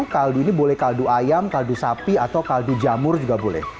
kaldu ini boleh kaldu ayam kaldu sapi atau kaldu jamur juga boleh